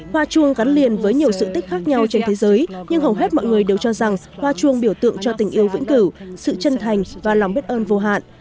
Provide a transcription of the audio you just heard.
hoa chuông gắn liền với nhiều sự tích khác nhau trên thế giới nhưng hầu hết mọi người đều cho rằng hoa chuông biểu tượng cho tình yêu vĩnh cửu sự chân thành và lòng biết ơn vô hạn